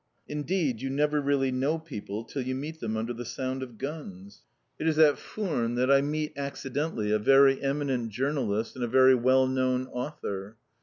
Indeed you never really know people till you meet them under the sound of guns. It is at Furnes that I meet accidentally a very eminent journalist and a very well known author.